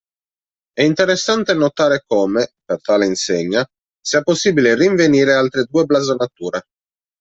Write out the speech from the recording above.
È interessante notare come, per tale insegna, sia possibile rinvenire altre due blasonature.